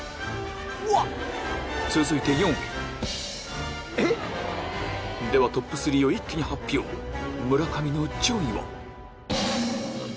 続いて４位ではトップ３を一気に発表村上の順位は？